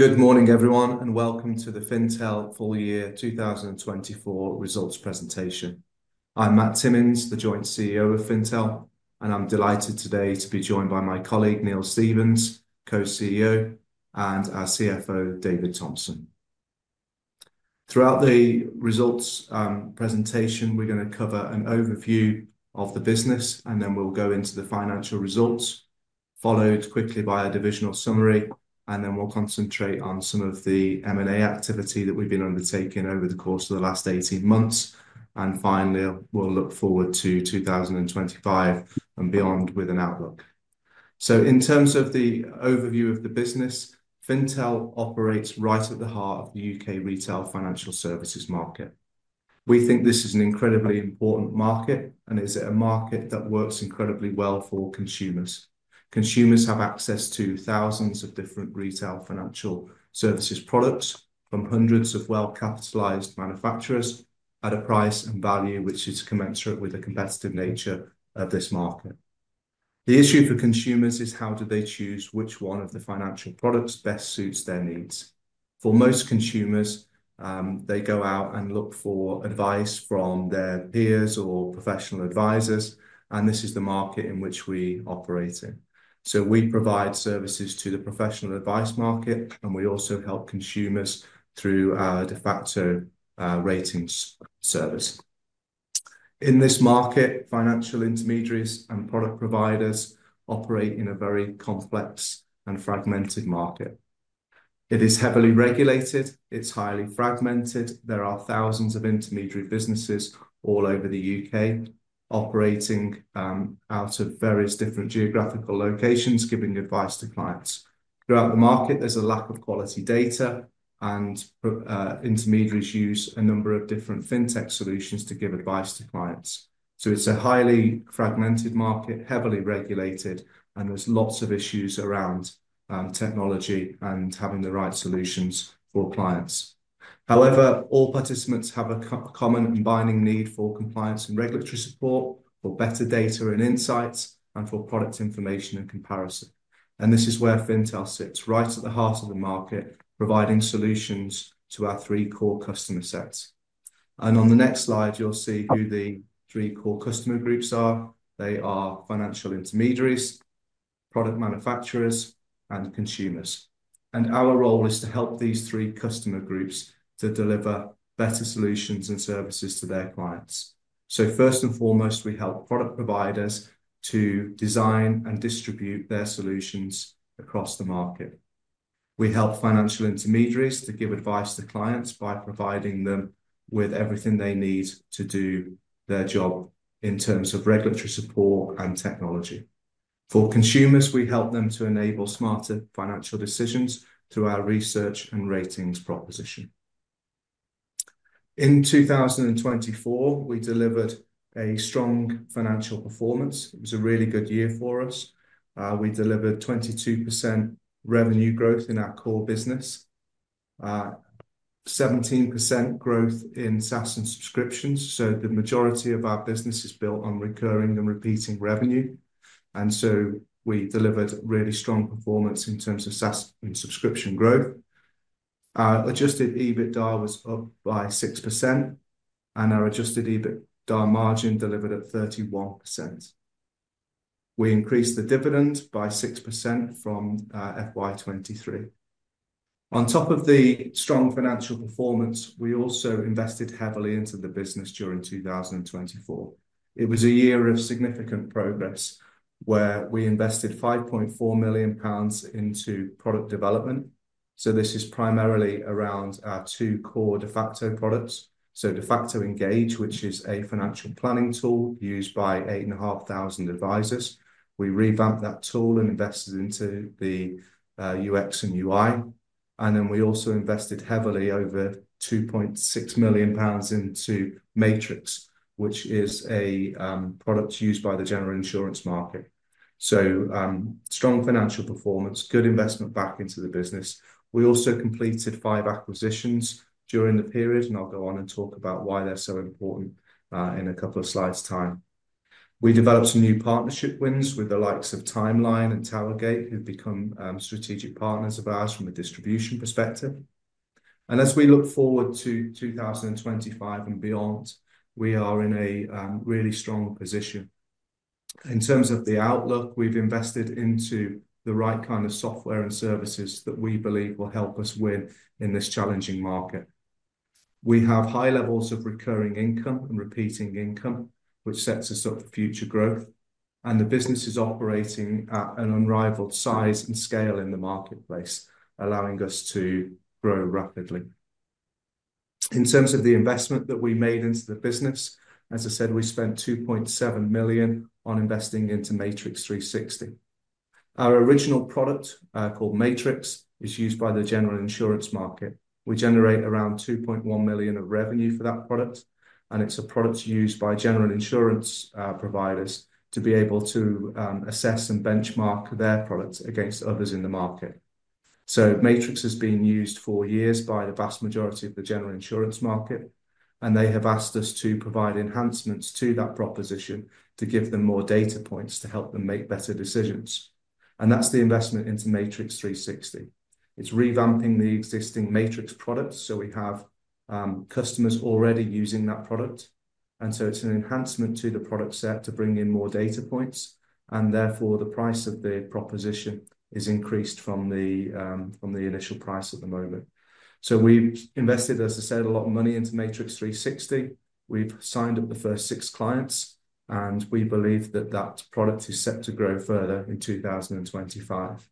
Good morning, everyone, and welcome to the Fintel FY 2024 results presentation. I'm Matt Timmins, the Joint CEO of Fintel, and I'm delighted today to be joined by my colleague, Neil Stevens, Co-CEO, and our CFO, David Thompson. Throughout the results presentation, we're going to cover an overview of the business, then we'll go into the financial results, followed quickly by a divisional summary, and then we'll concentrate on some of the M&A activity that we've been undertaking over the course of the last 18 months. Finally, we'll look forward to 2025 and beyond with an outlook. In terms of the overview of the business, Fintel operates right at the heart of the U.K. retail financial services market. We think this is an incredibly important market, and it's a market that works incredibly well for consumers. Consumers have access to thousands of different retail financial services products from hundreds of well-capitalized manufacturers at a price and value which is commensurate with the competitive nature of this market. The issue for consumers is how do they choose which one of the financial products best suits their needs. For most consumers, they go out and look for advice from their peers or professional advisors, and this is the market in which we operate. We provide services to the professional advice market, and we also help consumers through our Defaqto ratings service. In this market, financial intermediaries and product providers operate in a very complex and fragmented market. It is heavily regulated. It's highly fragmented. There are thousands of intermediary businesses all over the U.K. operating out of various different geographical locations, giving advice to clients. Throughout the market, there's a lack of quality data, and intermediaries use a number of different fintech solutions to give advice to clients. It is a highly fragmented market, heavily regulated, and there's lots of issues around technology and having the right solutions for clients. However, all participants have a common and binding need for compliance and regulatory support, for better data and insights, and for product information and comparison. This is where Fintel sits, right at the heart of the market, providing solutions to our three core customer sets. On the next slide, you'll see who the three core customer groups are. They are financial intermediaries, product manufacturers, and consumers. Our role is to help these three customer groups to deliver better solutions and services to their clients. First and foremost, we help product providers to design and distribute their solutions across the market. We help financial intermediaries to give advice to clients by providing them with everything they need to do their job in terms of regulatory support and technology. For consumers, we help them to enable smarter financial decisions through our research and ratings proposition. In 2024, we delivered a strong financial performance. It was a really good year for us. We delivered 22% revenue growth in our core business, 17% growth in SaaS and subscriptions. The majority of our business is built on recurring and repeating revenue. We delivered really strong performance in terms of SaaS and subscription growth. Our adjusted EBITDA was up by 6%, and our adjusted EBITDA margin delivered at 31%. We increased the dividend by 6% from FY2023. On top of the strong financial performance, we also invested heavily into the business during 2024. It was a year of significant progress where we invested 5.4 million pounds into product development. This is primarily around our two core de facto products. De facto Engage, which is a financial planning tool used by 8,500 advisors. We revamped that tool and invested into the UX and UI. We also invested heavily, over 2.6 million pounds, into Matrix, which is a product used by the general insurance market. Strong financial performance, good investment back into the business. We also completed five acquisitions during the period, and I'll go on and talk about why they're so important in a couple of slides' time. We developed some new partnership wins with the likes of Timeline and Towergate, who've become strategic partners of ours from a distribution perspective. As we look forward to 2025 and beyond, we are in a really strong position. In terms of the outlook, we've invested into the right kind of software and services that we believe will help us win in this challenging market. We have high levels of recurring income and repeating income, which sets us up for future growth. The business is operating at an unrivaled size and scale in the marketplace, allowing us to grow rapidly. In terms of the investment that we made into the business, as I said, we spent 2.7 million on investing into Matrix 360. Our original product called Matrix is used by the general insurance market. We generate around 2.1 million of revenue for that product, and it's a product used by general insurance providers to be able to assess and benchmark their products against others in the market. Matrix has been used for years by the vast majority of the general insurance market, and they have asked us to provide enhancements to that proposition to give them more data points to help them make better decisions. That is the investment into Matrix 360. It is revamping the existing Matrix product, so we have customers already using that product. It is an enhancement to the product set to bring in more data points, and therefore the price of the proposition is increased from the initial price at the moment. We have invested, as I said, a lot of money into Matrix 360. We have signed up the first six clients, and we believe that that product is set to grow further in 2025.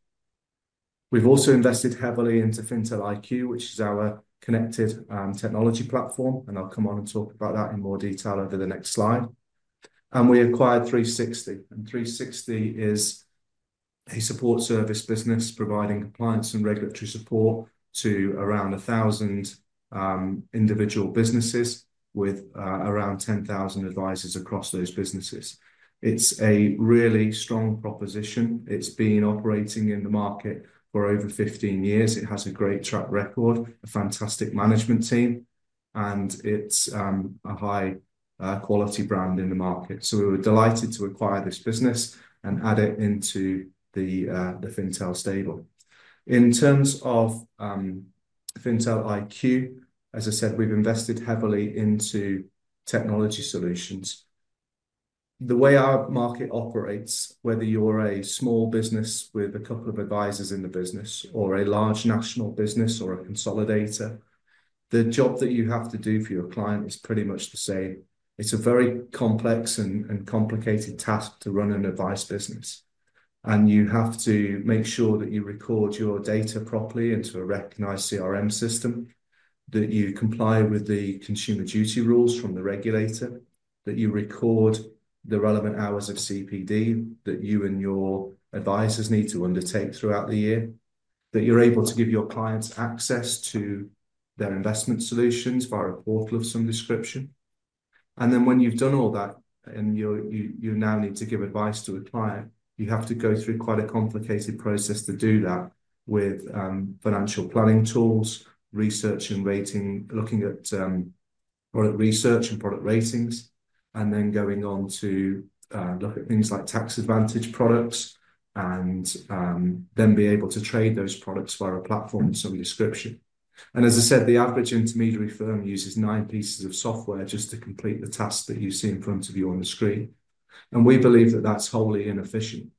We've also invested heavily into Fintel IQ, which is our connected technology platform, and I'll come on and talk about that in more detail over the next slide. We acquired 360, and 360 is a support service business providing compliance and regulatory support to around 1,000 individual businesses with around 10,000 advisors across those businesses. It's a really strong proposition. It's been operating in the market for over 15 years. It has a great track record, a fantastic management team, and it's a high-quality brand in the market. We were delighted to acquire this business and add it into the Fintel stable. In terms of Fintel IQ, as I said, we've invested heavily into technology solutions. The way our market operates, whether you're a small business with a couple of advisors in the business or a large national business or a consolidator, the job that you have to do for your client is pretty much the same. It's a very complex and complicated task to run an advice business, and you have to make sure that you record your data properly into a recognized CRM system, that you comply with the consumer duty rules from the regulator, that you record the relevant hours of CPD that you and your advisors need to undertake throughout the year, that you're able to give your clients access to their investment solutions via a portal of some description. When you've done all that and you now need to give advice to a client, you have to go through quite a complicated process to do that with financial planning tools, research and rating, looking at product research and product ratings, and then going on to look at things like tax-advantaged products and then be able to trade those products via a platform of some description. As I said, the average intermediary firm uses nine pieces of software just to complete the task that you see in front of you on the screen. We believe that that's wholly inefficient.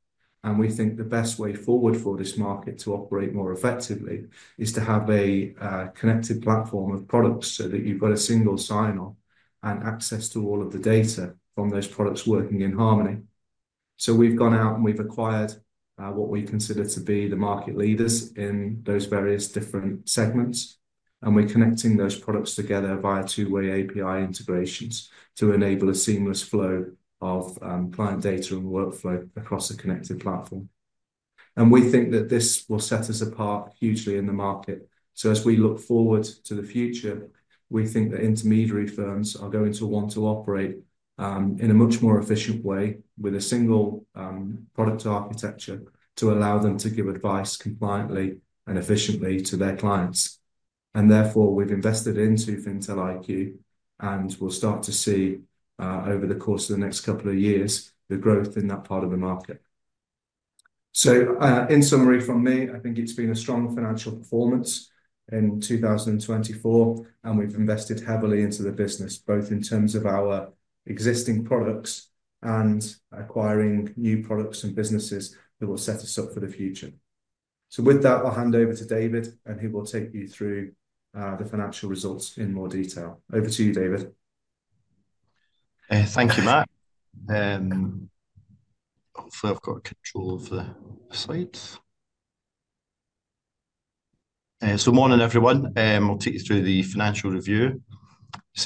We think the best way forward for this market to operate more effectively is to have a connected platform of products so that you've got a single sign-on and access to all of the data from those products working in harmony. We've gone out and we've acquired what we consider to be the market leaders in those various different segments, and we're connecting those products together via two-way API integrations to enable a seamless flow of client data and workflow across a connected platform. We think that this will set us apart hugely in the market. As we look forward to the future, we think that intermediary firms are going to want to operate in a much more efficient way with a single product architecture to allow them to give advice compliantly and efficiently to their clients. Therefore, we've invested into Fintel IQ, and we'll start to see over the course of the next couple of years the growth in that part of the market. In summary from me, I think it's been a strong financial performance in 2024, and we've invested heavily into the business, both in terms of our existing products and acquiring new products and businesses that will set us up for the future. With that, I'll hand over to David, and he will take you through the financial results in more detail. Over to you, David. Thank you, Matt. Hopefully, I've got control of the slides. Morning, everyone. I'll take you through the financial review.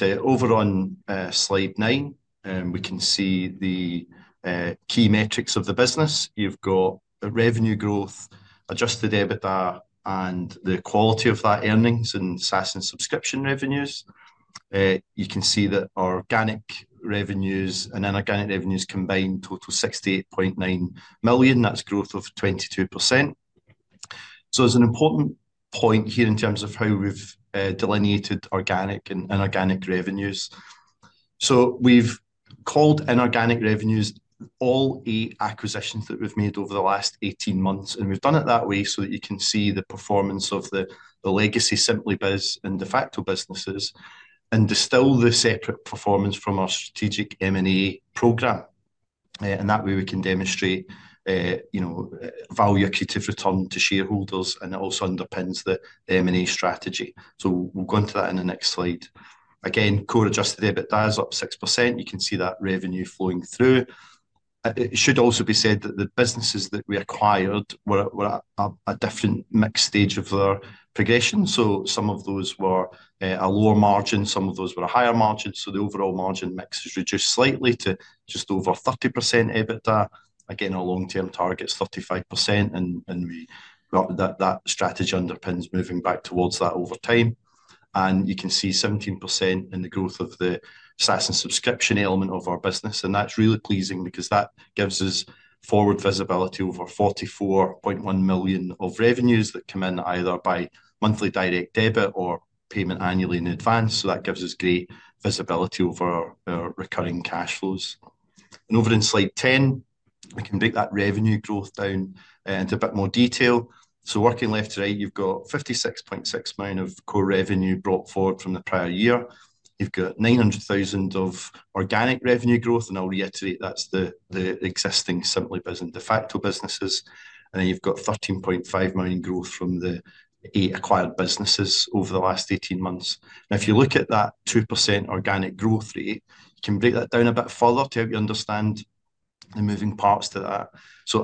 Over on slide nine, we can see the key metrics of the business. You've got revenue growth, adjusted EBITDA, and the quality of that earnings in SaaS and subscription revenues. You can see that organic revenues and inorganic revenues combined total 68.9 million. That's growth of 22%. There's an important point here in terms of how we've delineated organic and inorganic revenues. We've called inorganic revenues all eight acquisitions that we've made over the last 18 months, and we've done it that way so that you can see the performance of the legacy SimplyBiz and de facto businesses and distill the separate performance from our strategic M&A program. That way, we can demonstrate value-accretive return to shareholders, and it also underpins the M&A strategy. We'll go into that in the next slide. Again, core adjusted EBITDA is up 6%. You can see that revenue flowing through. It should also be said that the businesses that we acquired were at a different mixed stage of their progression. Some of those were a lower margin, some of those were a higher margin. The overall margin mix has reduced slightly to just over 30% EBITDA. Our long-term target is 35%, and that strategy underpins moving back towards that over time. You can see 17% in the growth of the SaaS and subscription element of our business. That's really pleasing because that gives us forward visibility over 44.1 million of revenues that come in either by monthly direct debit or payment annually in advance. That gives us great visibility over our recurring cash flows. Over in slide 10, we can break that revenue growth down into a bit more detail. Working left to right, you've got 56.6 million of core revenue brought forward from the prior year. You've got 900,000 of organic revenue growth, and I'll reiterate that's the existing SimplyBiz and de facto businesses. You've got 13.5 million growth from the eight acquired businesses over the last 18 months. If you look at that 2% organic growth rate, you can break that down a bit further to help you understand the moving parts to that.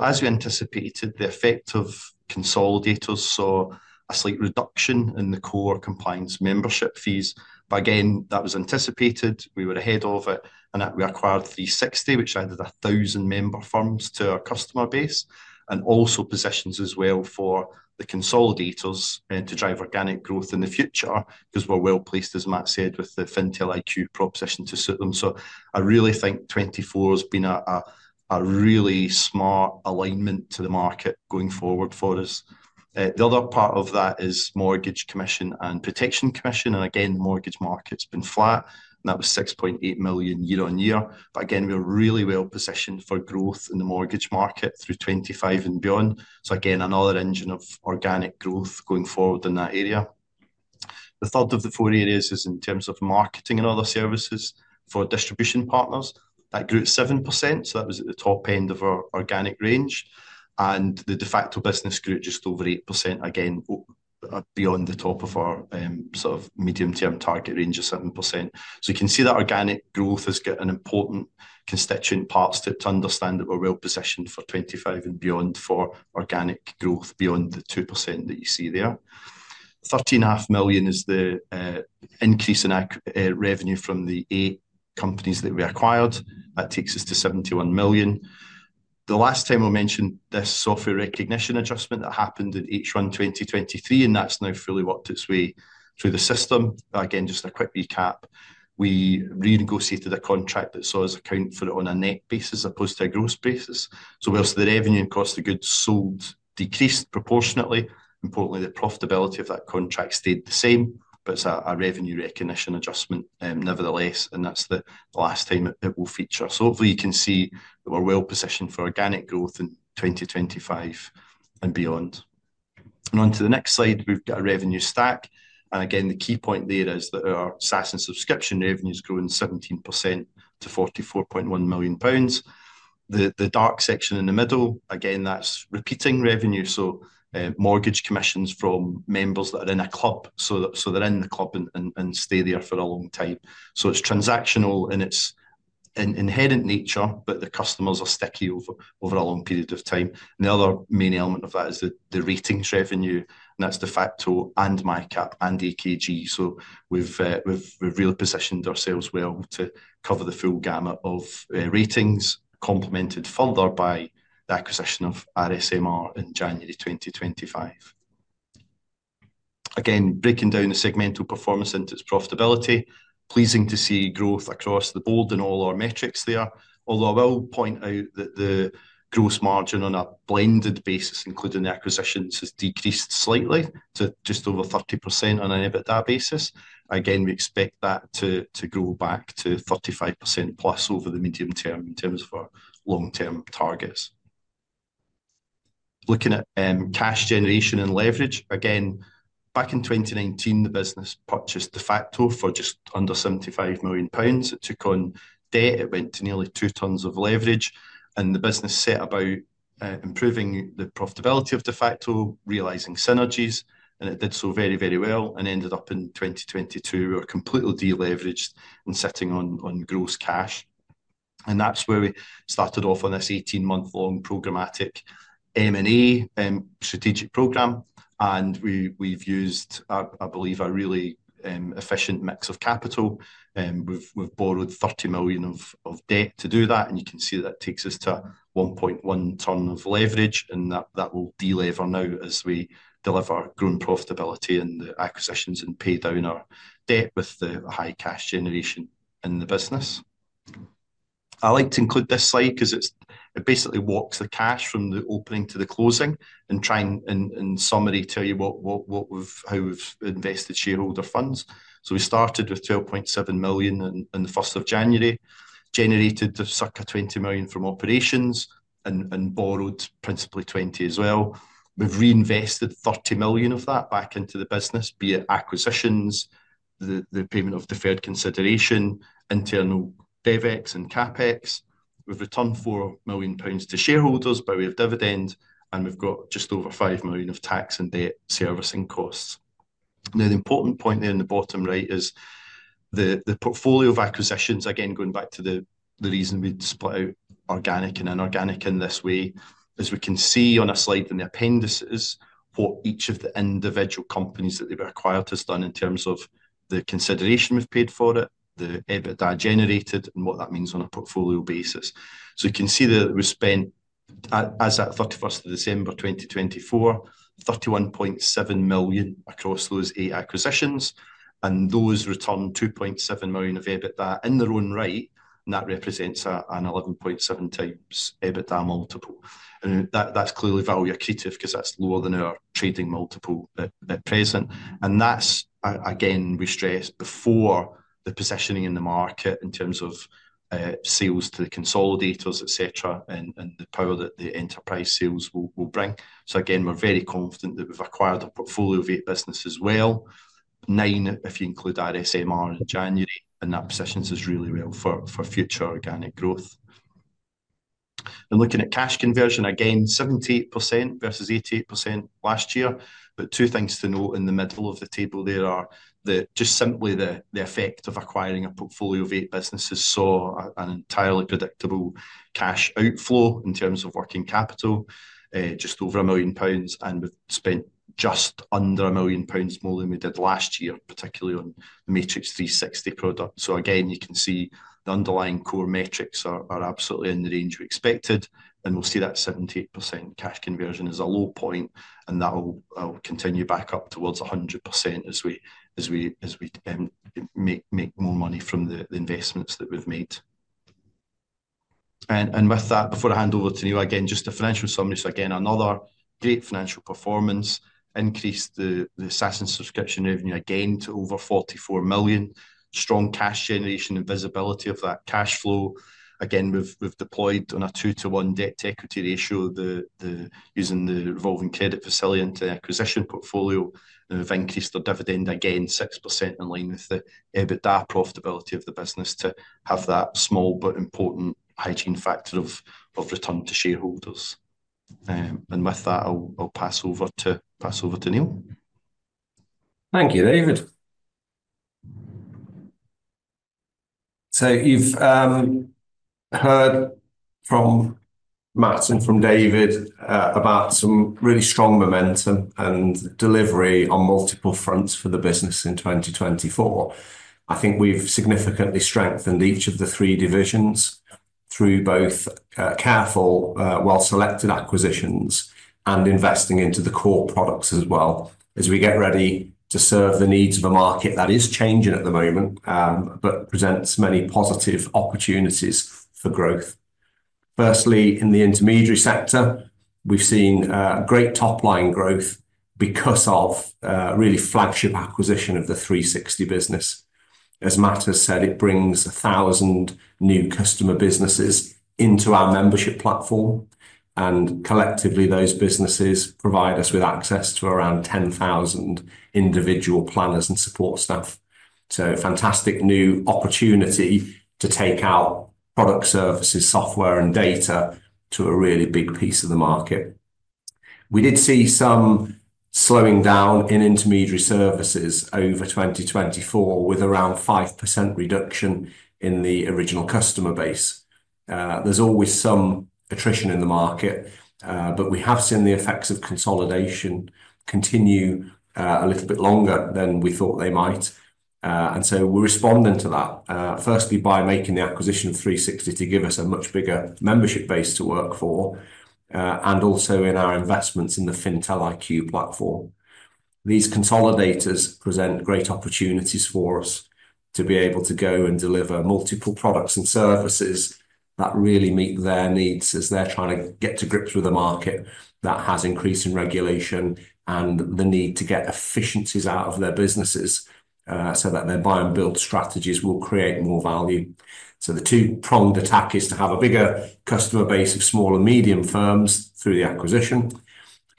As we anticipated, the effect of consolidators saw a slight reduction in the core compliance membership fees. That was anticipated. We were ahead of it, and we acquired 360, which added thousand member firms to our customer base, and also positions as well for the consolidators to drive organic growth in the future because we're well placed, as Matt said, with the Fintel IQ proposition to suit them. I really think 2024 has been a really smart alignment to the market going forward for us. The other part of that is mortgage commission and protection commission. Again, the mortgage market's been flat, and that was 6.8 million year on year. Again, we're really well positioned for growth in the mortgage market through 2025 and beyond. Again, another engine of organic growth going forward in that area. The third of the four areas is in terms of marketing and other services for distribution partners. That grew 7%. That was at the top end of our organic range. The de facto business grew just over 8%, again, beyond the top of our sort of medium-term target range of 7%. You can see that organic growth has got an important constituent part to understand that we're well positioned for 2025 and beyond for organic growth beyond the 2% that you see there. 13.5 million is the increase in revenue from the eight companies that we acquired. That takes us to 71 million. The last time I mentioned this software recognition adjustment that happened at H1 2023, and that's now fully worked its way through the system. Again, just a quick recap, we renegotiated a contract that saw us account for it on a net basis as opposed to a gross basis. Where the revenue and cost of goods sold decreased proportionately, importantly, the profitability of that contract stayed the same, but it's a revenue recognition adjustment nevertheless, and that's the last time it will feature. Hopefully, you can see that we're well positioned for organic growth in 2025 and beyond. On to the next slide, we've got a revenue stack. Again, the key point there is that our SaaS and subscription revenues grew 17% to 44.1 million pounds. The dark section in the middle, again, that's repeating revenue. Mortgage commissions from members that are in a club. They're in the club and stay there for a long time. It's transactional in its inherent nature, but the customers are sticky over a long period of time. The other main element of that is the ratings revenue, and that's Defaqto and MyKat and AKG. We have really positioned ourselves well to cover the full gamut of ratings, complemented further by the acquisition of RSMR in January 2025. Again, breaking down the segmental performance into its profitability, it is pleasing to see growth across the board in all our metrics there. Although I will point out that the gross margin on a blended basis, including the acquisitions, has decreased slightly to just over 30% on an EBITDA basis. Again, we expect that to grow back to 35% plus over the medium term in terms of our long-term targets. Looking at cash generation and leverage, back in 2019, the business purchased de facto for just under 75 million pounds. It took on debt. It went to nearly two times of leverage, and the business set about improving the profitability of de facto, realizing synergies, and it did so very, very well and ended up in 2022. We were completely deleveraged and sitting on gross cash. That is where we started off on this 18-month-long programmatic M&A strategic program. We have used, I believe, a really efficient mix of capital. We have borrowed 30 million of debt to do that, and you can see that takes us to 1.1 times of leverage, and that will deliver now as we deliver grown profitability and the acquisitions and pay down our debt with the high cash generation in the business. I like to include this slide because it basically walks the cash from the opening to the closing and tries in summary to tell you how we have invested shareholder funds. We started with 12.7 million in the first of January, generated circa 20 million from operations and borrowed principally 20 million as well. We've reinvested 30 million of that back into the business, be it acquisitions, the payment of deferred consideration, internal DevEx and CapEx. We've returned 4 million pounds to shareholders by way of dividend, and we've got just over 5 million of tax and debt servicing costs. Now, the important point there in the bottom right is the portfolio of acquisitions, again, going back to the reason we'd split out organic and inorganic in this way, as we can see on a slide in the appendices what each of the individual companies that they've acquired has done in terms of the consideration we've paid for it, the EBITDA generated, and what that means on a portfolio basis. You can see that we spent, as at 31st of December 2024, 31.7 million across those eight acquisitions, and those returned 2.7 million of EBITDA in their own right, and that represents an 11.7 times EBITDA multiple. That is clearly value-accretive because that is lower than our trading multiple at present. We stressed before the positioning in the market in terms of sales to the consolidators, etc., and the power that the enterprise sales will bring. We are very confident that we have acquired a portfolio of eight businesses well, nine if you include RSMR in January, and that positions us really well for future organic growth. Looking at cash conversion, again, 78% versus 88% last year. Two things to note in the middle of the table there are just simply the effect of acquiring a portfolio of eight businesses saw an entirely predictable cash outflow in terms of working capital, just over 1 million pounds, and we've spent just under million more than we did last year, particularly on the Matrix 360 product. You can see the underlying core metrics are absolutely in the range we expected, and we'll see that 78% cash conversion is a low point, and that'll continue back up towards 100% as we make more money from the investments that we've made. With that, before I hand over to you, again, just a financial summary. Another great financial performance, increased the SaaS and subscription revenue again to over 44 million, strong cash generation and visibility of that cash flow. Again, we've deployed on a two-to-one debt to equity ratio using the revolving credit facility into acquisition portfolio, and we've increased our dividend again, 6% in line with the EBITDA profitability of the business to have that small but important hygiene factor of return to shareholders. With that, I'll pass over to Neil. Thank you, David. You have heard from Matt and from David about some really strong momentum and delivery on multiple fronts for the business in 2024. I think we have significantly strengthened each of the three divisions through both careful, well-selected acquisitions and investing into the core products as well as we get ready to serve the needs of a market that is changing at the moment, but presents many positive opportunities for growth. Firstly, in the intermediary sector, we have seen great top-line growth because of the really flagship acquisition of the 360 business. As Matt has said, it brings 1,000 new customer businesses into our membership platform, and collectively, those businesses provide us with access to around 10,000 individual planners and support staff. Fantastic new opportunity to take our product services, software, and data to a really big piece of the market. We did see some slowing down in intermediary services over 2024 with around 5% reduction in the original customer base. There is always some attrition in the market, but we have seen the effects of consolidation continue a little bit longer than we thought they might. We are responding to that, firstly by making the acquisition of 360 to give us a much bigger membership base to work for, and also in our investments in the Fintel IQ platform. These consolidators present great opportunities for us to be able to go and deliver multiple products and services that really meet their needs as they are trying to get to grips with a market that has increasing regulation and the need to get efficiencies out of their businesses so that their buy-and-build strategies will create more value. The two-pronged attack is to have a bigger customer base of small and medium firms through the acquisition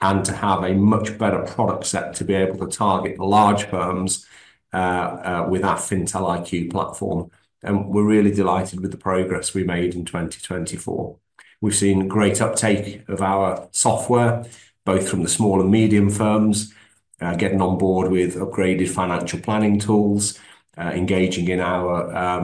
and to have a much better product set to be able to target the large firms with that Fintel IQ platform. We're really delighted with the progress we made in 2024. We've seen great uptake of our software, both from the small and medium firms, getting on board with upgraded financial planning tools, engaging in our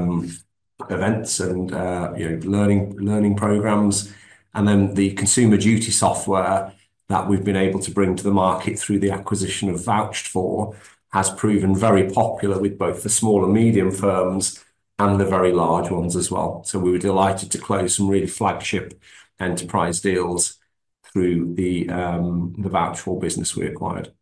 events and learning programs. The consumer duty software that we've been able to bring to the market through the acquisition of vouched for has proven very popular with both the small and medium firms and the very large ones as well. We were delighted to close some really flagship enterprise deals through the VouchedFor business we acquired.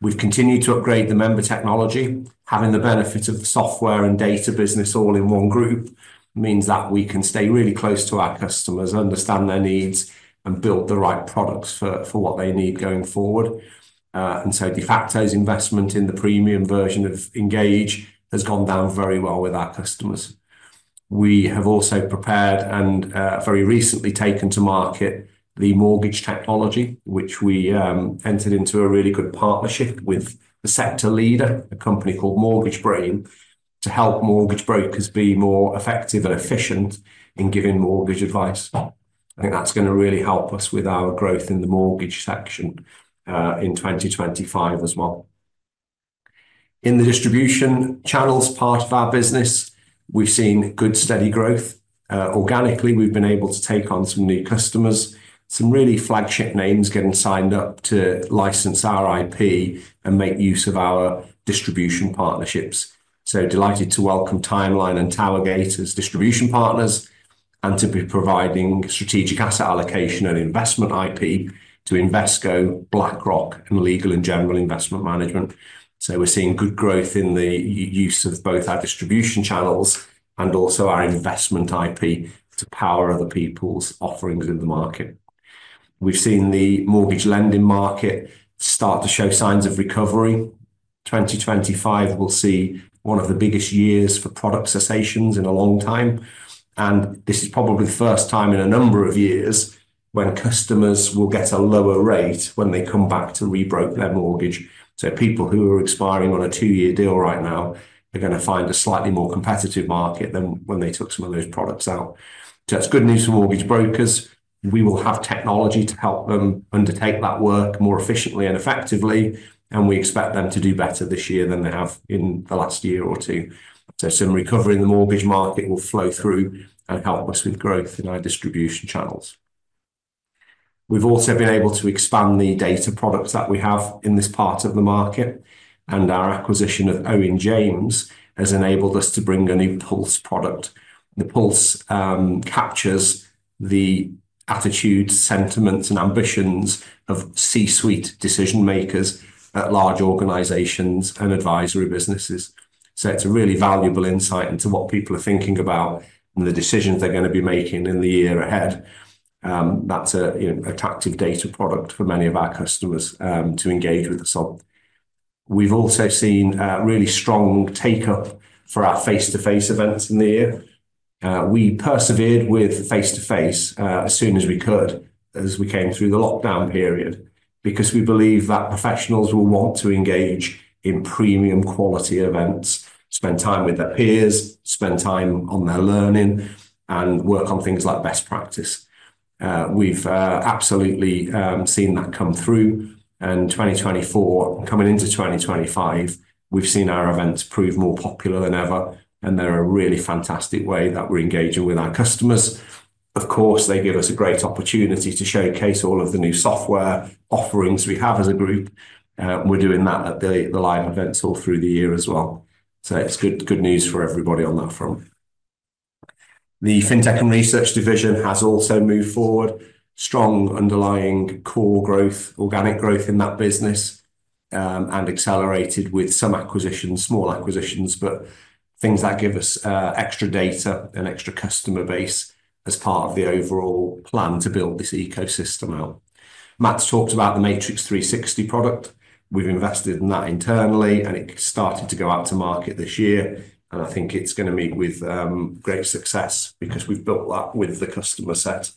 We've continued to upgrade the member technology. Having the benefit of the software and data business all in one group means that we can stay really close to our customers, understand their needs, and build the right products for what they need going forward. de facto's investment in the premium version of Engage has gone down very well with our customers. We have also prepared and very recently taken to market the mortgage technology, which we entered into a really good partnership with the sector leader, a company called Mortgage Brain, to help mortgage brokers be more effective and efficient in giving mortgage advice. I think that's going to really help us with our growth in the mortgage section in 2025 as well. In the distribution channels part of our business, we've seen good steady growth. Organically, we've been able to take on some new customers, some really flagship names getting signed up to license our IP and make use of our distribution partnerships. Delighted to welcome Timeline and Towergate as distribution partners and to be providing strategic asset allocation and investment IP to Invesco, BlackRock, and Legal & General Investment Management. We're seeing good growth in the use of both our distribution channels and also our investment IP to power other people's offerings in the market. We've seen the mortgage lending market start to show signs of recovery. 2025 will see one of the biggest years for product cessations in a long time, and this is probably the first time in a number of years when customers will get a lower rate when they come back to re-broker their mortgage. People who are expiring on a two-year deal right now are going to find a slightly more competitive market than when they took some of those products out. That's good news for mortgage brokers. We will have technology to help them undertake that work more efficiently and effectively, and we expect them to do better this year than they have in the last year or two. Some recovery in the mortgage market will flow through and help us with growth in our distribution channels. We've also been able to expand the data products that we have in this part of the market, and our acquisition of Owen James has enabled us to bring an Impulse product. The Impulse captures the attitudes, sentiments, and ambitions of C-suite decision-makers at large organizations and advisory businesses. It's a really valuable insight into what people are thinking about and the decisions they're going to be making in the year ahead. That's a captive data product for many of our customers to engage with us on. We've also seen a really strong take-up for our face-to-face events in the year. We persevered with face-to-face as soon as we could as we came through the lockdown period because we believe that professionals will want to engage in premium quality events, spend time with their peers, spend time on their learning, and work on things like best practice. We've absolutely seen that come through, and 2024 and coming into 2025, we've seen our events prove more popular than ever, and they're a really fantastic way that we're engaging with our customers. Of course, they give us a great opportunity to showcase all of the new software offerings we have as a group. We are doing that at the live events all through the year as well. It is good news for everybody on that front. The Fintel and Research Division has also moved forward, strong underlying core growth, organic growth in that business, and accelerated with some acquisitions, small acquisitions, but things that give us extra data and extra customer base as part of the overall plan to build this ecosystem out. Matt's talked about the Matrix 360 product. We have invested in that internally, and it is starting to go out to market this year, and I think it is going to meet with great success because we have built that with the customer set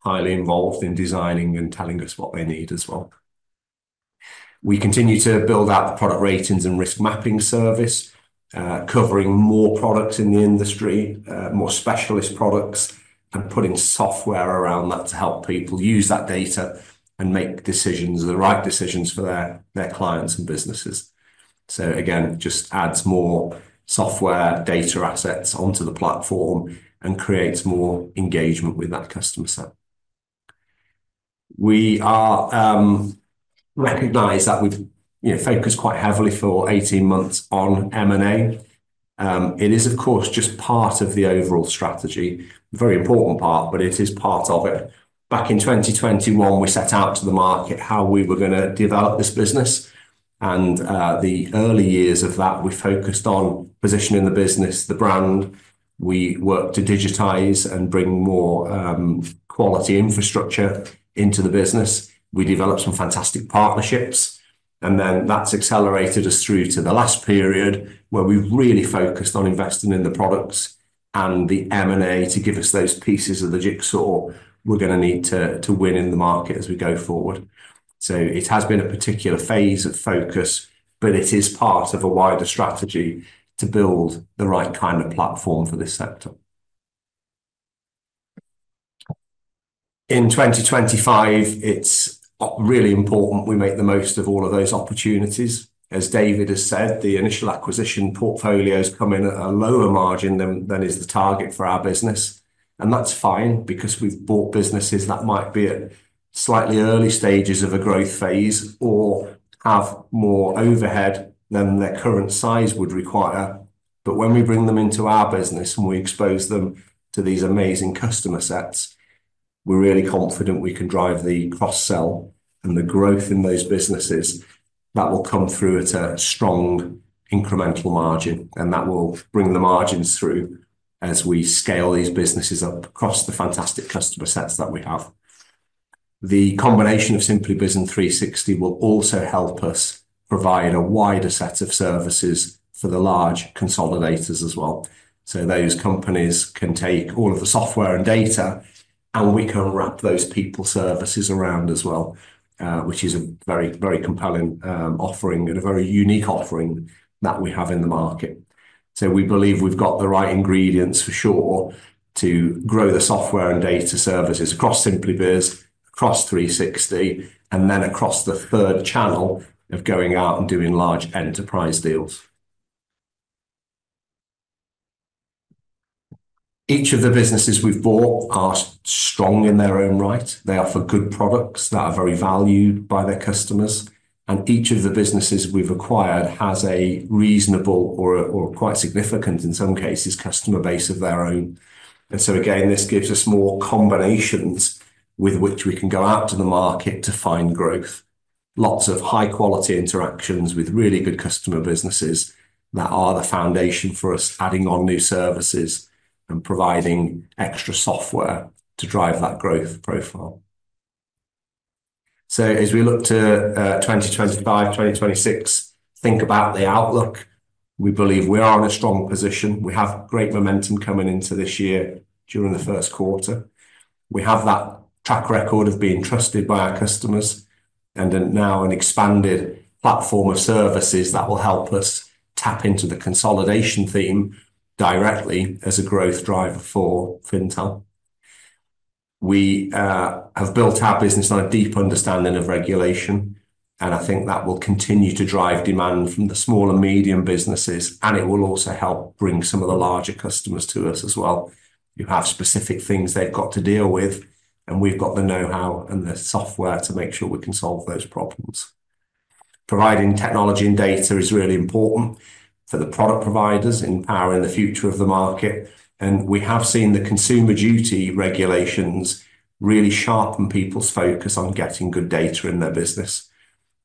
highly involved in designing and telling us what they need as well. We continue to build out the product ratings and risk mapping service, covering more products in the industry, more specialist products, and putting software around that to help people use that data and make decisions, the right decisions for their clients and businesses. This just adds more software data assets onto the platform and creates more engagement with that customer set. We recognize that we've focused quite heavily for 18 months on M&A. It is, of course, just part of the overall strategy, a very important part, but it is part of it. Back in 2021, we set out to the market how we were going to develop this business, and the early years of that, we focused on positioning the business, the brand. We worked to digitize and bring more quality infrastructure into the business. We developed some fantastic partnerships, and then that's accelerated us through to the last period where we've really focused on investing in the products and the M&A to give us those pieces of the jigsaw we're going to need to win in the market as we go forward. It has been a particular phase of focus, but it is part of a wider strategy to build the right kind of platform for this sector. In 2025, it's really important we make the most of all of those opportunities. As David has said, the initial acquisition portfolios come in at a lower margin than is the target for our business, and that's fine because we've bought businesses that might be at slightly early stages of a growth phase or have more overhead than their current size would require. When we bring them into our business and we expose them to these amazing customer sets, we're really confident we can drive the cross-sell and the growth in those businesses that will come through at a strong incremental margin, and that will bring the margins through as we scale these businesses up across the fantastic customer sets that we have. The combination of SimplyBiz and 360 will also help us provide a wider set of services for the large consolidators as well. Those companies can take all of the software and data, and we can wrap those people services around as well, which is a very, very compelling offering and a very unique offering that we have in the market. We believe we've got the right ingredients for sure to grow the software and data services across SimplyBiz, across 360, and then across the third channel of going out and doing large enterprise deals. Each of the businesses we've bought are strong in their own right. They offer good products that are very valued by their customers, and each of the businesses we've acquired has a reasonable or quite significant, in some cases, customer base of their own. This gives us more combinations with which we can go out to the market to find growth, lots of high-quality interactions with really good customer businesses that are the foundation for us adding on new services and providing extra software to drive that growth profile. As we look to 2025, 2026, think about the outlook. We believe we are in a strong position. We have great momentum coming into this year during the first quarter. We have that track record of being trusted by our customers and now an expanded platform of services that will help us tap into the consolidation theme directly as a growth driver for Fintel. We have built our business on a deep understanding of regulation, and I think that will continue to drive demand from the small and medium businesses, and it will also help bring some of the larger customers to us as well. You have specific things they've got to deal with, and we've got the know-how and the software to make sure we can solve those problems. Providing technology and data is really important for the product providers, empowering the future of the market, and we have seen the consumer duty regulations really sharpen people's focus on getting good data in their business.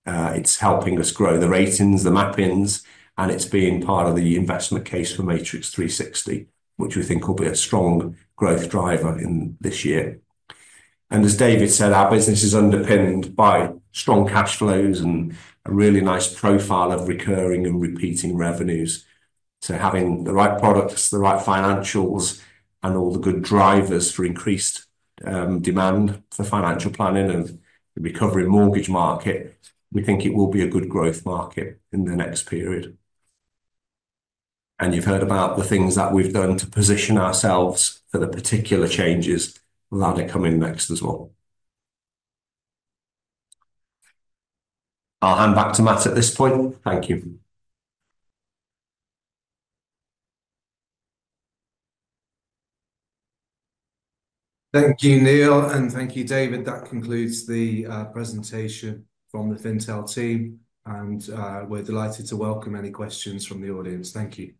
It's helping us grow the ratings, the mappings, and it's being part of the investment case for Matrix 360, which we think will be a strong growth driver in this year. As David said, our business is underpinned by strong cash flows and a really nice profile of recurring and repeating revenues. Having the right products, the right financials, and all the good drivers for increased demand for financial planning and the recovery mortgage market, we think it will be a good growth market in the next period. You have heard about the things that we have done to position ourselves for the particular changes that are coming next as well. I will hand back to Matt at this point. Thank you. Thank you, Neil, and thank you, David. That concludes the presentation from the Fintel team, and we are delighted to welcome any questions from the audience. Thank you.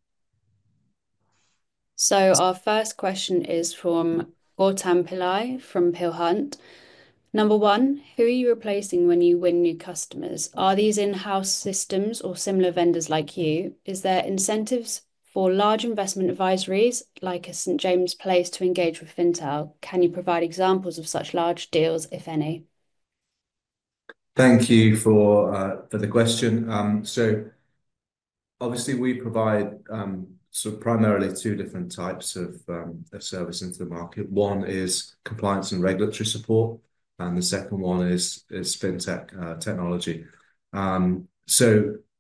Our first question is from Gautam Pillai from Peel Hunt. Number one, who are you replacing when you win new customers? Are these in-house systems or similar vendors like you? Is there incentives for large investment advisories like a St. James's Place to engage with Fintel? Can you provide examples of such large deals, if any? Thank you for the question. Obviously, we provide sort of primarily two different types of service into the market. One is compliance and regulatory support, and the second one is fintech technology.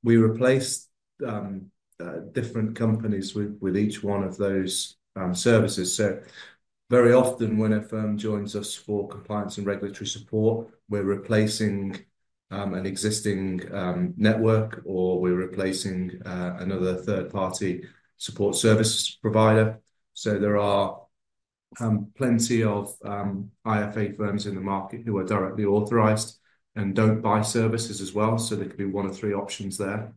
We replace different companies with each one of those services. Very often when a firm joins us for compliance and regulatory support, we're replacing an existing network or we're replacing another third-party support service provider. There are plenty of IFA firms in the market who are directly authorised and do not buy services as well, so there could be one or three options there.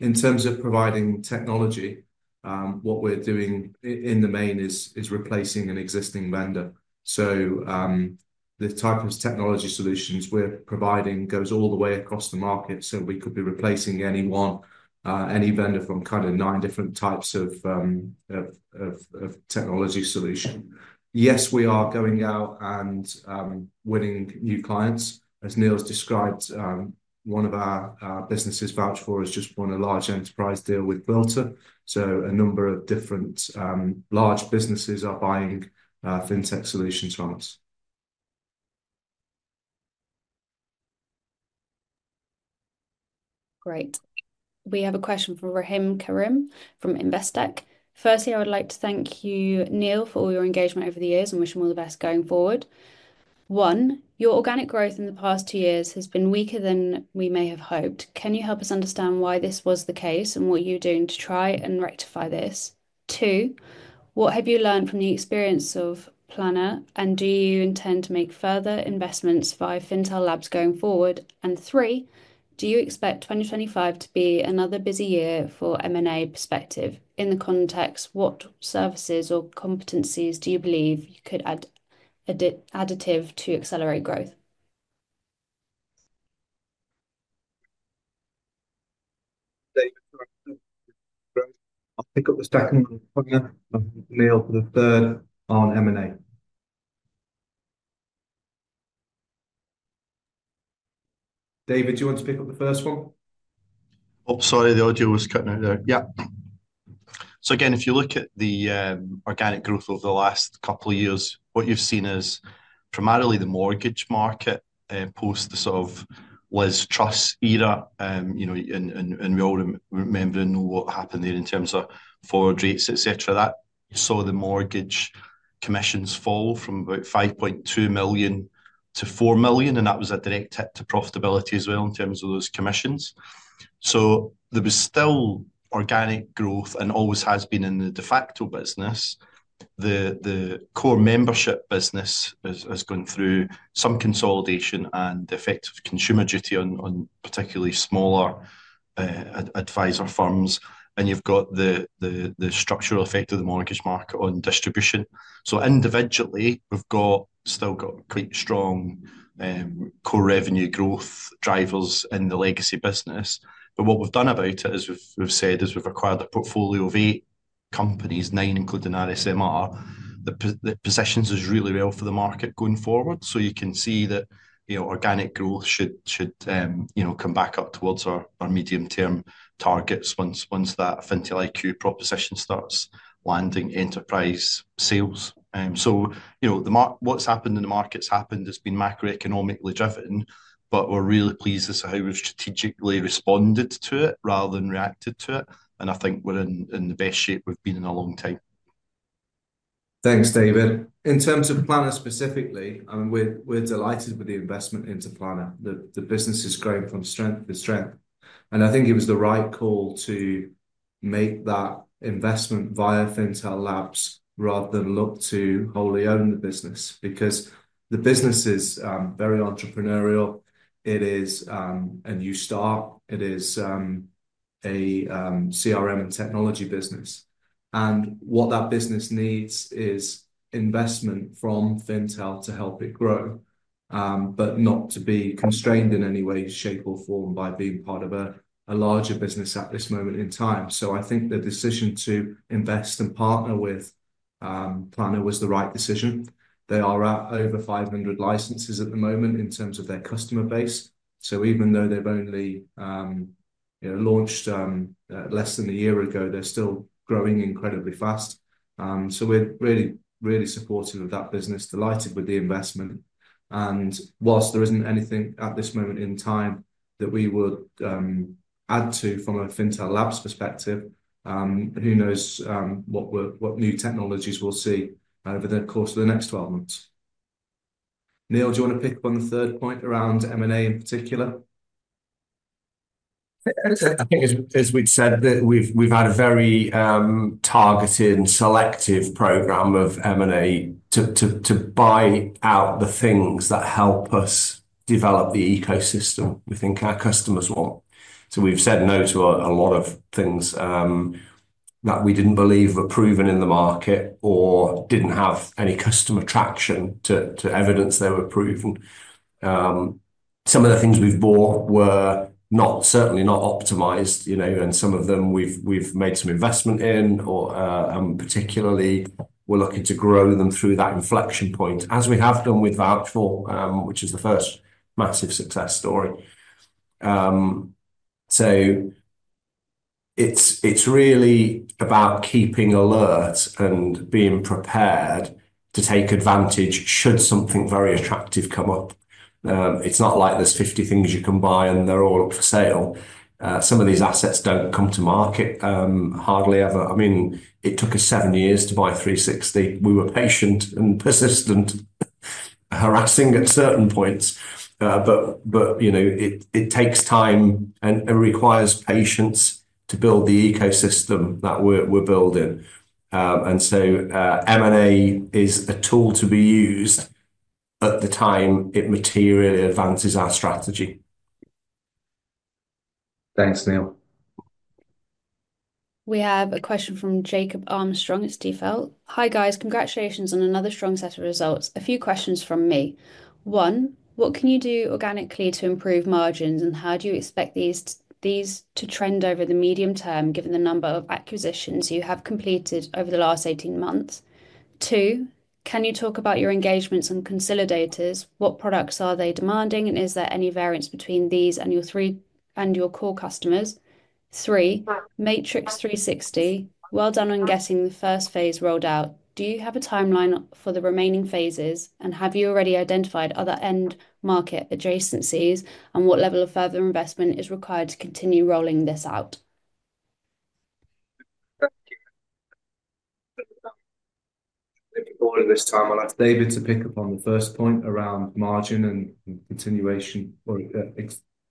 In terms of providing technology, what we are doing in the main is replacing an existing vendor. The type of technology solutions we are providing goes all the way across the market, so we could be replacing any vendor from kind of nine different types of technology solutions. Yes, we are going out and winning new clients. As Neil has described, one of our businesses, VouchedFor, has just won a large enterprise deal with Bilt-O. A number of different large businesses are buying fintech solutions from us. Great. We have a question from Rahim Karim from Investec. Firstly, I would like to thank you, Neil, for all your engagement over the years and wish him all the best going forward. One, your organic growth in the past two years has been weaker than we may have hoped. Can you help us understand why this was the case and what you're doing to try and rectify this? Two, what have you learned from the experience of Planner, and do you intend to make further investments via Fintel Labs going forward? Three, do you expect 2025 to be another busy year for M&A perspective? In the context, what services or competencies do you believe you could add to accelerate growth? I'll pick up the second one, Neil, for the third on M&A. David, do you want to pick up the first one? Sorry, the audio was cutting out there. Yeah. If you look at the organic growth over the last couple of years, what you've seen is primarily the mortgage market post the sort of Liz Truss era, and we all remember and know what happened there in terms of forward rates, etc. That saw the mortgage commissions fall from 5.2 million to 4 million, and that was a direct hit to profitability as well in terms of those commissions. There was still organic growth and always has been in the de facto business. The core membership business has gone through some consolidation and the effect of consumer duty on particularly smaller advisor firms, and you've got the structural effect of the mortgage market on distribution. Individually, we've still got quite strong core revenue growth drivers in the legacy business, but what we've done about it, as we've said, is we've acquired a portfolio of eight companies, nine including RSMR. The position is really well for the market going forward, so you can see that organic growth should come back up towards our medium-term targets once that Fintel IQ proposition starts landing enterprise sales. What's happened in the market has happened. It's been macroeconomically driven, but we're really pleased as to how we've strategically responded to it rather than reacted to it, and I think we're in the best shape we've been in a long time. Thanks, David. In terms of Planner specifically, we're delighted with the investment into Planner. The business is growing from strength to strength, and I think it was the right call to make that investment via Fintel Labs rather than look to wholly own the business because the business is very entrepreneurial. It is a new start. It is a CRM and technology business, and what that business needs is investment from Fintel to help it grow, but not to be constrained in any way, shape, or form by being part of a larger business at this moment in time. I think the decision to invest and partner with Planner was the right decision. They are at over 500 licenses at the moment in terms of their customer base. Even though they've only launched less than a year ago, they're still growing incredibly fast. We're really, really supportive of that business, delighted with the investment, and whilst there isn't anything at this moment in time that we would add to from a Fintel Labs perspective, who knows what new technologies we'll see over the course of the next 12 months. Neil, do you want to pick up on the third point around M&A in particular? I think as we'd said, we've had a very targeted, selective program of M&A to buy out the things that help us develop the ecosystem within our customers' want. We've said no to a lot of things that we didn't believe were proven in the market or didn't have any customer traction to evidence they were proven. Some of the things we've bought were certainly not optimized, and some of them we've made some investment in, or particularly we're looking to grow them through that inflection point, as we have done with VouchedFor, which is the first massive success story. It's really about keeping alert and being prepared to take advantage should something very attractive come up. It's not like there's 50 things you can buy and they're all up for sale. Some of these assets don't come to market hardly ever. I mean, it took us seven years to buy 360. We were patient and persistent, harassing at certain points, but it takes time and requires patience to build the ecosystem that we're building. M&A is a tool to be used at the time it materially advances our strategy. Thanks, Neil. We have a question from Jacob Armstrong at Stifel. Hi guys, congratulations on another strong set of results. A few questions from me. One, what can you do organically to improve margins, and how do you expect these to trend over the medium term given the number of acquisitions you have completed over the last 18 months? Two, can you talk about your engagements and consolidators? What products are they demanding, and is there any variance between these and your core customers? Three, Matrix 360, well done on getting the first phase rolled out. Do you have a timeline for the remaining phases, and have you already identified other end market adjacencies, and what level of further investment is required to continue rolling this out? Thank you. Thank you for holding this time. I'll have David to pick up on the first point around margin and continuation or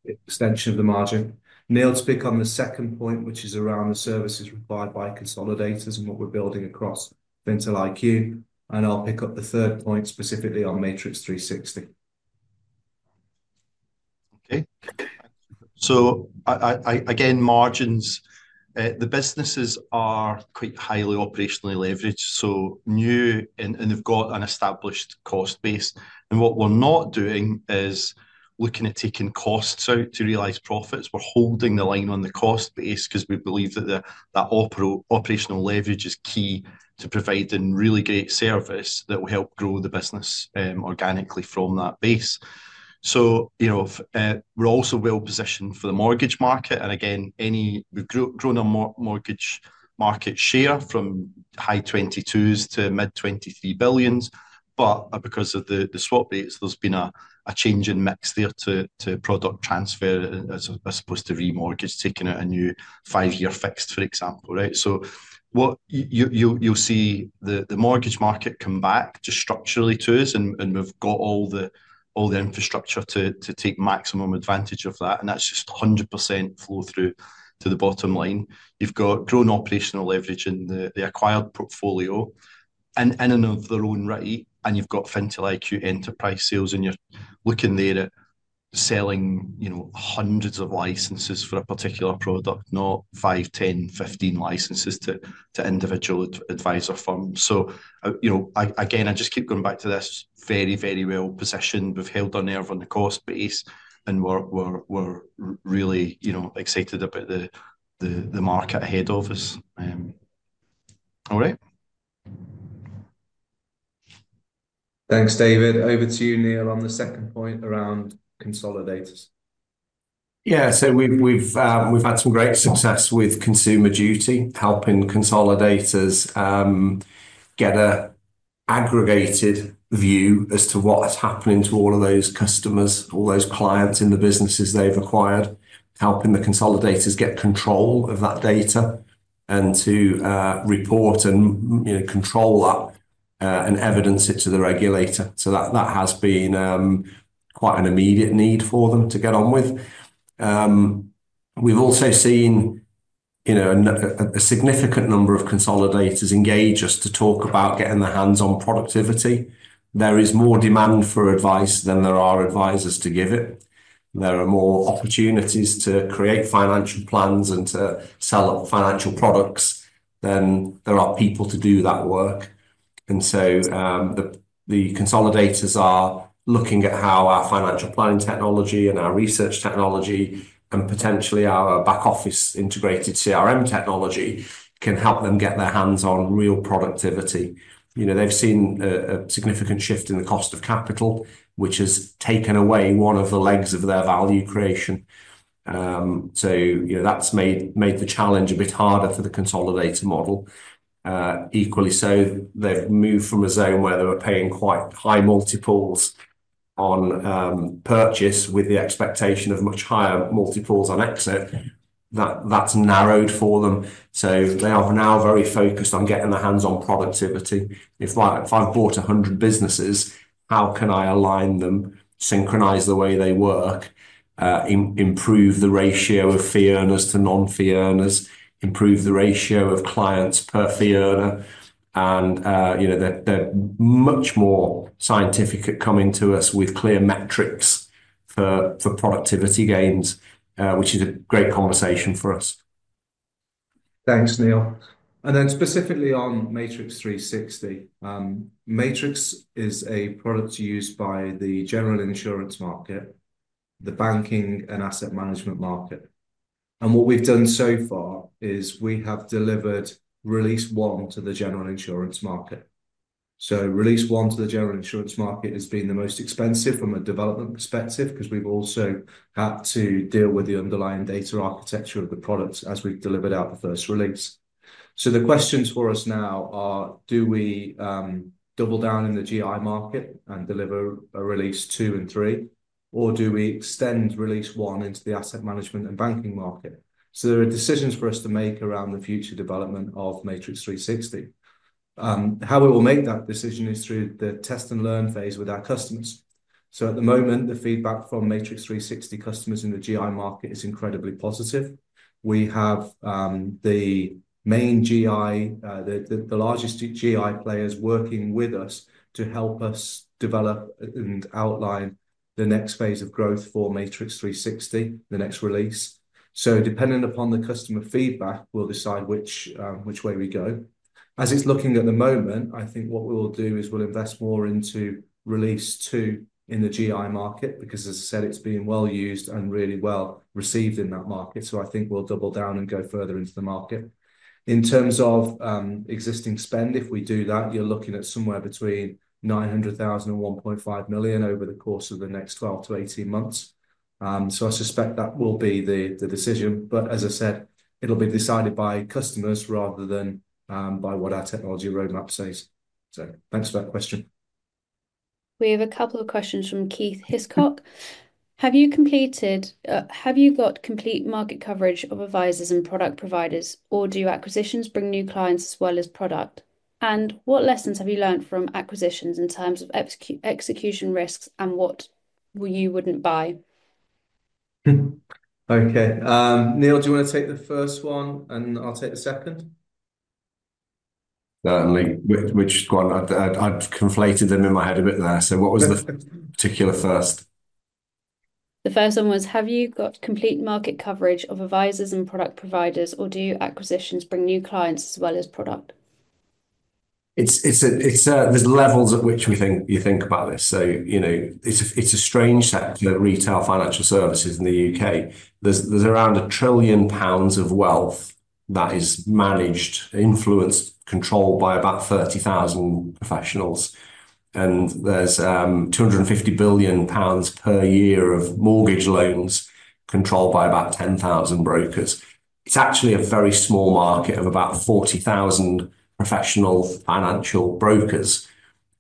extension of the margin. Neil, to pick on the second point, which is around the services required by consolidators and what we're building across Fintel IQ, and I'll pick up the third point specifically on Matrix 360. Okay. Margins, the businesses are quite highly operationally leveraged, so new and have got an established cost base. What we're not doing is looking at taking costs out to realize profits. We're holding the line on the cost base because we believe that that operational leverage is key to providing really great service that will help grow the business organically from that base. We're also well positioned for the mortgage market, and again, we've grown our mortgage market share from high 22s to mid 23 billions, but because of the swap rates, there's been a change in mix there to product transfer as opposed to remortgage, taking out a new five-year fixed, for example, right? You'll see the mortgage market come back just structurally to us, and we've got all the infrastructure to take maximum advantage of that, and that's just 100% flow through to the bottom line. You've got grown operational leverage in the acquired portfolio in and of their own right, and you've got Fintel IQ enterprise sales, and you're looking there at selling hundreds of licenses for a particular product, not 5, 10, 15 licenses to individual advisor firms. I just keep going back to this, very, very well positioned. We've held our nerve on the cost base, and we're really excited about the market ahead of us. All right. Thanks, David. Over to you, Neil, on the second point around consolidators. Yeah, we've had some great success with consumer duty, helping consolidators get an aggregated view as to what's happening to all of those customers, all those clients in the businesses they've acquired, helping the consolidators get control of that data and to report and control that and evidence it to the regulator. That has been quite an immediate need for them to get on with. We've also seen a significant number of consolidators engage us to talk about getting their hands on productivity. There is more demand for advice than there are advisors to give it. There are more opportunities to create financial plans and to sell up financial products than there are people to do that work. The consolidators are looking at how our financial planning technology and our research technology and potentially our back office integrated CRM technology can help them get their hands on real productivity. They have seen a significant shift in the cost of capital, which has taken away one of the legs of their value creation. That has made the challenge a bit harder for the consolidator model. Equally, they have moved from a zone where they were paying quite high multiples on purchase with the expectation of much higher multiples on exit. That has narrowed for them. They are now very focused on getting their hands on productivity. If I've bought 100 businesses, how can I align them, synchronize the way they work, improve the ratio of fee earners to non-fee earners, improve the ratio of clients per fee earner? They are much more scientific at coming to us with clear metrics for productivity gains, which is a great conversation for us. Thanks, Neil. Specifically on Matrix 360, Matrix is a product used by the general insurance market, the banking, and asset management market. What we have done so far is we have delivered release one to the general insurance market. Release one to the general insurance market has been the most expensive from a development perspective because we have also had to deal with the underlying data architecture of the products as we have delivered out the first release. The questions for us now are, do we double down in the GI market and deliver a release two and three, or do we extend release one into the asset management and banking market? There are decisions for us to make around the future development of Matrix 360. How we will make that decision is through the test and learn phase with our customers. At the moment, the feedback from Matrix 360 customers in the GI market is incredibly positive. We have the main GI, the largest GI players working with us to help us develop and outline the next phase of growth for Matrix 360, the next release. Depending upon the customer feedback, we'll decide which way we go. As it's looking at the moment, I think what we will do is we'll invest more into release two in the GI market because, as I said, it's been well used and really well received in that market. I think we'll double down and go further into the market. In terms of existing spend, if we do that, you're looking at somewhere between 900,000 and 1.5 million over the course of the next 12-18 months. I suspect that will be the decision, but as I said, it'll be decided by customers rather than by what our technology roadmap says. Thanks for that question. We have a couple of questions from Keith Hiscock. Have you completed, have you got complete market coverage of advisors and product providers, or do acquisitions bring new clients as well as product? What lessons have you learned from acquisitions in terms of execution risks and what you would not buy? Okay. Neil, do you want to take the first one, and I will take the second? Certainly. Which one? I have conflated them in my head a bit there. What was the particular first? The first one was, have you got complete market coverage of advisors and product providers, or do acquisitions bring new clients as well as product? There are levels at which you think about this. It is a strange set for retail financial services in the U.K. There is around 1 trillion pounds of wealth that is managed, influenced, controlled by about 30,000 professionals, and there is 250 billion pounds per year of mortgage loans controlled by about 10,000 brokers. It's actually a very small market of about 40,000 professional financial brokers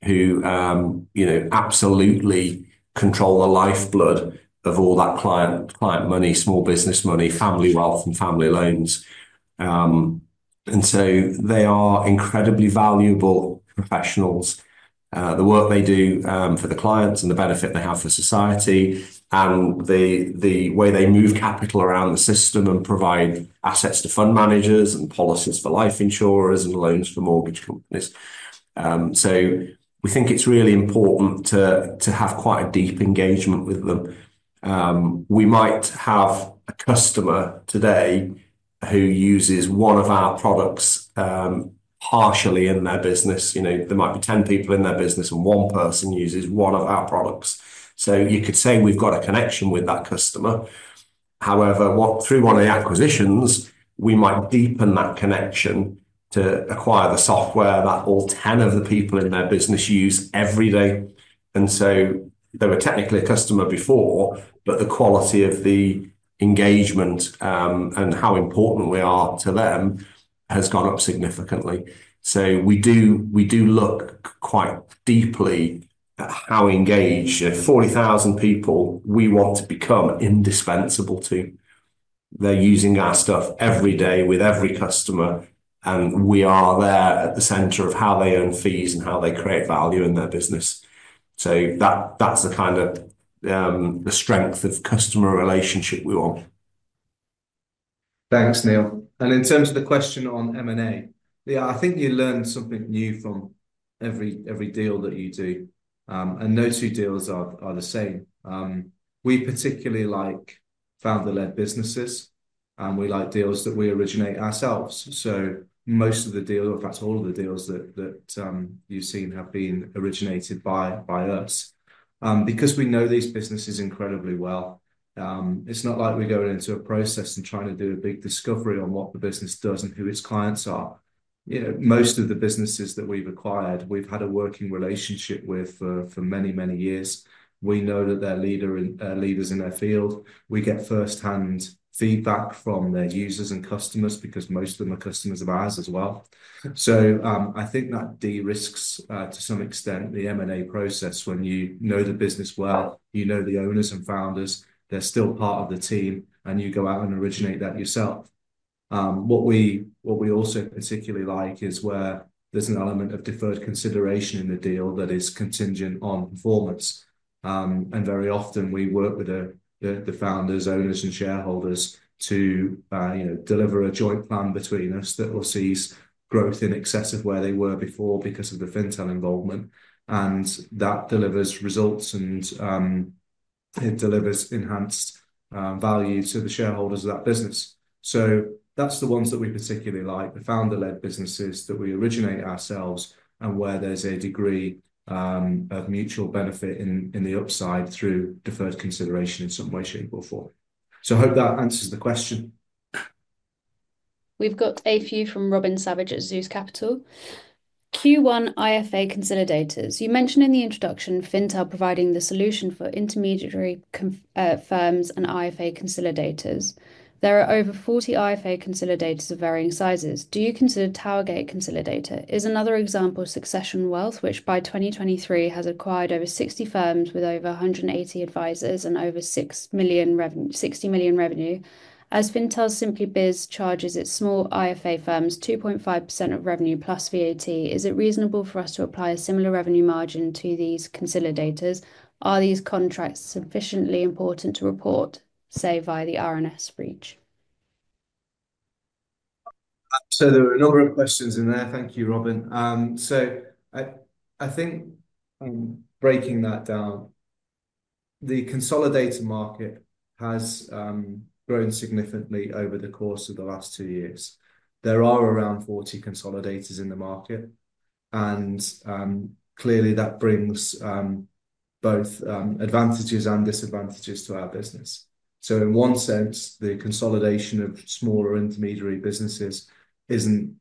who absolutely control the lifeblood of all that client money, small business money, family wealth, and family loans. They are incredibly valuable professionals. The work they do for the clients and the benefit they have for society and the way they move capital around the system and provide assets to fund managers and policies for life insurers and loans for mortgage companies. We think it's really important to have quite a deep engagement with them. We might have a customer today who uses one of our products partially in their business. There might be 10 people in their business and one person uses one of our products. You could say we've got a connection with that customer. However, through one of the acquisitions, we might deepen that connection to acquire the software that all 10 of the people in their business use every day. They were technically a customer before, but the quality of the engagement and how important we are to them has gone up significantly. We do look quite deeply at how engaged. 40,000 people, we want to become indispensable to. They are using our stuff every day with every customer, and we are there at the center of how they earn fees and how they create value in their business. That is the kind of strength of customer relationship we want. Thanks, Neil. In terms of the question on M&A, I think you learn something new from every deal that you do, and no two deals are the same. We particularly like founder-led businesses, and we like deals that we originate ourselves. Most of the deals, or perhaps all of the deals that you've seen, have been originated by us. Because we know these businesses incredibly well, it's not like we go into a process and try to do a big discovery on what the business does and who its clients are. Most of the businesses that we've acquired, we've had a working relationship with for many, many years. We know that they're leaders in their field. We get first-hand feedback from their users and customers because most of them are customers of ours as well. I think that de-risks to some extent the M&A process when you know the business well, you know the owners and founders, they're still part of the team, and you go out and originate that yourself. What we also particularly like is where there's an element of deferred consideration in the deal that is contingent on performance. Very often, we work with the founders, owners, and shareholders to deliver a joint plan between us that will see growth in excess of where they were before because of the Fintel involvement. That delivers results, and it delivers enhanced value to the shareholders of that business. That's the ones that we particularly like, the founder-led businesses that we originate ourselves and where there's a degree of mutual benefit in the upside through deferred consideration in some way, shape, or form. I hope that answers the question. We've got a few from Robin Savage at Zeus Capital. Q1 IFA Consolidators. You mentioned in the introduction Fintel providing the solution for intermediary firms and IFA Consolidators. There are over 40 IFA Consolidators of varying sizes. Do you consider Towergate Consolidator? Is another example of Succession Wealth, which by 2023 has acquired over 60 firms with over 180 advisors and over 6 million revenue? As Fintel SimplyBiz charges its small IFA firms 2.5% of revenue plus VAT, is it reasonable for us to apply a similar revenue margin to these Consolidators? Are these contracts sufficiently important to report, say, via the R&S breach? There are a number of questions in there. Thank you, Robin. I think breaking that down, the Consolidator market has grown significantly over the course of the last two years. There are around 40 Consolidators in the market, and clearly that brings both advantages and disadvantages to our business. In one sense, the consolidation of smaller intermediary businesses isn't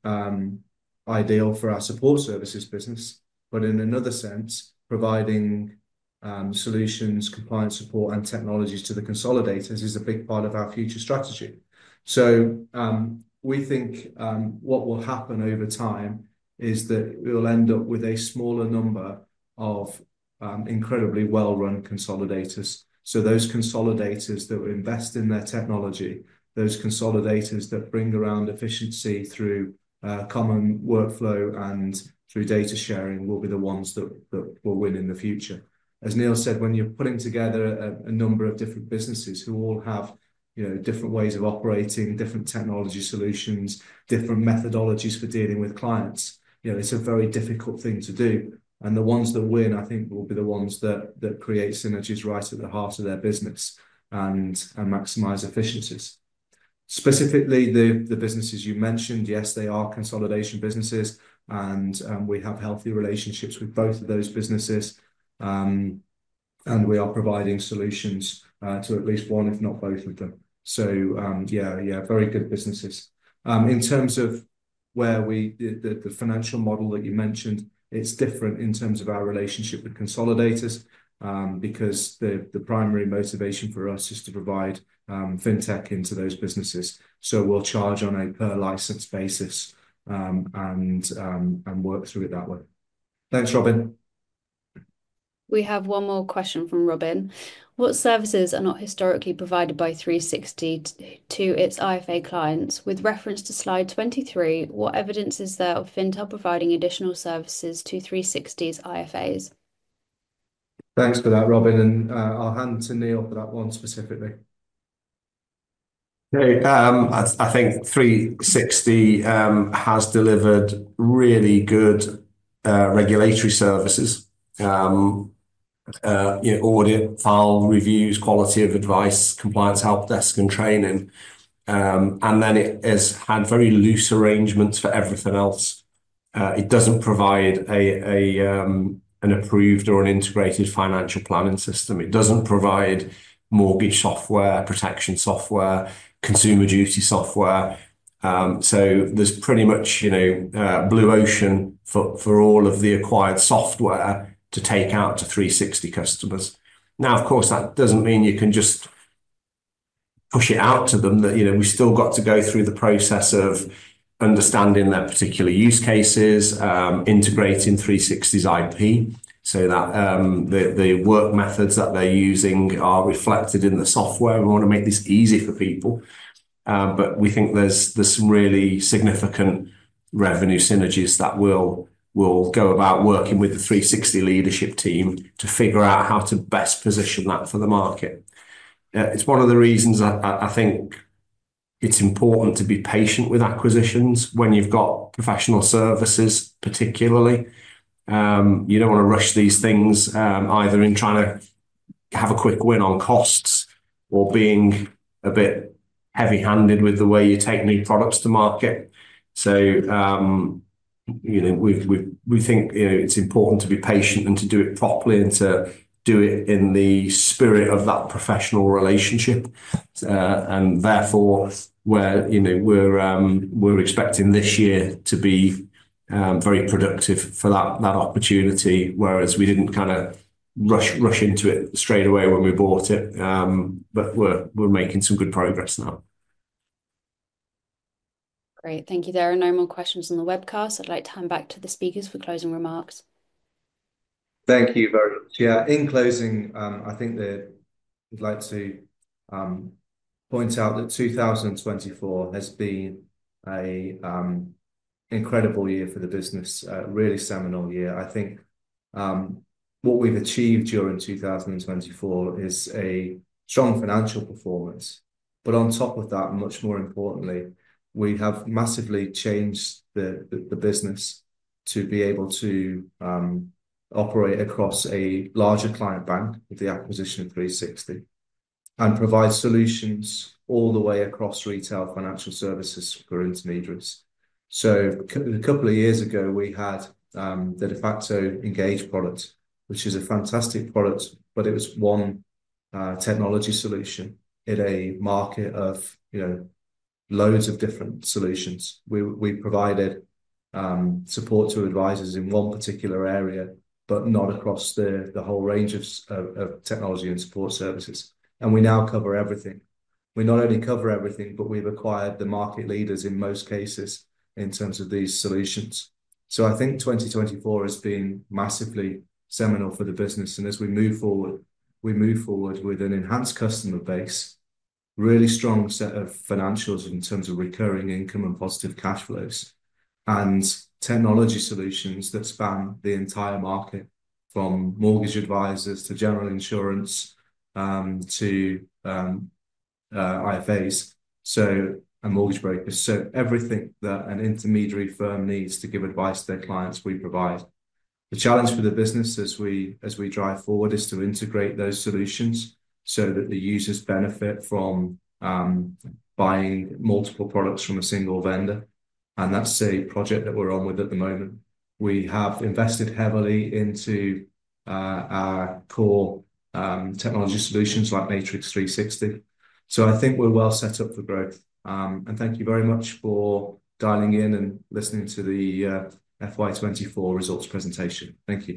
ideal for our support services business, but in another sense, providing solutions, compliance support, and technologies to the consolidators is a big part of our future strategy. We think what will happen over time is that we'll end up with a smaller number of incredibly well-run Consolidators. Those Consolidators that will invest in their technology, those consolidators that bring around efficiency through common workflow and through data sharing will be the ones that will win in the future. As Neil said, when you're putting together a number of different businesses who all have different ways of operating, different technology solutions, different methodologies for dealing with clients, it's a very difficult thing to do. The ones that win, I think, will be the ones that create synergies right at the heart of their business and maximise efficiencies. Specifically, the businesses you mentioned, yes, they are consolidation businesses, and we have healthy relationships with both of those businesses, and we are providing solutions to at least one, if not both of them. Yeah, yeah, very good businesses. In terms of where the financial model that you mentioned, it's different in terms of our relationship with Consolidators because the primary motivation for us is to provide fintech into those businesses. We'll charge on a per-license basis and work through it that way. Thanks, Robin. We have one more question from Robin. What services are not historically provided by 360 to its IFA clients? With reference to slide 23, what evidence is there of Fintel providing additional services to 360's IFAs? Thanks for that, Robin. I'll hand to Neil for that one specifically. Okay. I think 360 has delivered really good regulatory services: audit, file reviews, quality of advice, compliance help desk, and training. It has had very loose arrangements for everything else. It doesn't provide an approved or an integrated financial planning system. It doesn't provide mortgage software, protection software, consumer duty software. There is pretty much blue ocean for all of the acquired software to take out to 360 customers. Of course, that doesn't mean you can just push it out to them. We've still got to go through the process of understanding their particular use cases, integrating 360's IP so that the work methods that they're using are reflected in the software. We want to make this easy for people. We think there are some really significant revenue synergies that we will go about working with the 360 leadership team to figure out how to best position that for the market. It is one of the reasons I think it is important to be patient with acquisitions when you have got professional services, particularly. You do not want to rush these things either in trying to have a quick win on costs or being a bit heavy-handed with the way you take new products to market. We think it is important to be patient and to do it properly and to do it in the spirit of that professional relationship. Therefore, we are expecting this year to be very productive for that opportunity, whereas we did not kind of rush into it straight away when we bought it, but we are making some good progress now. Great. Thank you there. No more questions on the webcast. I'd like to hand back to the speakers for closing remarks. Thank you very much. Yeah. In closing, I think we'd like to point out that 2024 has been an incredible year for the business, a really seminal year. I think what we've achieved during 2024 is a strong financial performance. Much more importantly, we have massively changed the business to be able to operate across a larger client bank with the acquisition of 360 and provide solutions all the way across retail financial services for intermediaries. A couple of years ago, we had the de facto Engage product, which is a fantastic product, but it was one technology solution in a market of loads of different solutions. We provided support to advisors in one particular area, but not across the whole range of technology and support services. We now cover everything. We not only cover everything, but we've acquired the market leaders in most cases in terms of these solutions. I think 2024 has been massively seminal for the business. As we move forward, we move forward with an enhanced customer base, a really strong set of financials in terms of recurring income and positive cash flows, and technology solutions that span the entire market from mortgage advisors to general insurance to IFAs and mortgage brokers. Everything that an intermediary firm needs to give advice to their clients, we provide. The challenge for the business as we drive forward is to integrate those solutions so that the users benefit from buying multiple products from a single vendor. That's a project that we're on with at the moment. We have invested heavily into our core technology solutions like Matrix 360. I think we're well set up for growth. Thank you very much for dialing in and listening to the FY24 results presentation. Thank you.